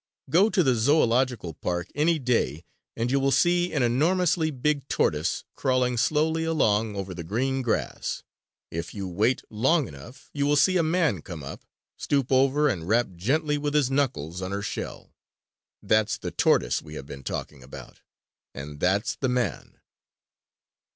Go to the zoölogical park any day and you will see an enormously big tortoise crawling slowly along over the green grass. If you wait long enough you will see a man come up, stoop over and rap gently with his knuckles on her shell. That's the tortoise we have been talking about and that's the man!